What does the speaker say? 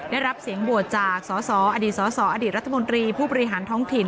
ได้รับเสียงโหวตจากสสอดีตสสอดีตรัฐมนตรีผู้บริหารท้องถิ่น